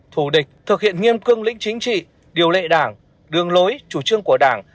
thù địch thực hiện nghiêm cương lĩnh chính trị điều lệ đảng đường lối chủ trương của đảng